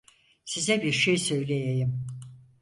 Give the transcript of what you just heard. Size bir şey söyleyeyim.